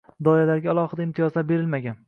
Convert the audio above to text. Doyalarga alohida imtiyozlar berilmagan.